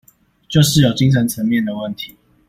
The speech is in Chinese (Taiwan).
就是有精神層面的問題